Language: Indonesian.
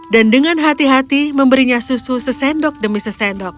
dan dengan hati hati memberinya susu sesendok demi sesendok